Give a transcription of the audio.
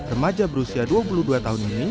remaja berusia dua puluh dua tahun ini